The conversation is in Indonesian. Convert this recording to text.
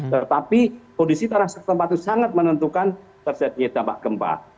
tetapi kondisi tanah setempat itu sangat menentukan terjadinya dampak gempa